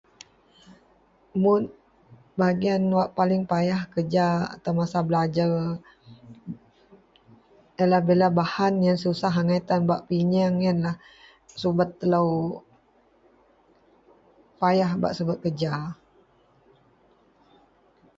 mun bahagian wak paling payah kerja atau masa belajer ,ienlah bila bahan ien susah agai tan bak piyeang, subet telou payah bak subet kerja